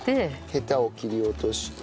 ヘタを切り落として。